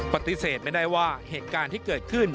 ปฏิเสธไม่ได้ว่าเหตุการณ์ที่เกิดขึ้น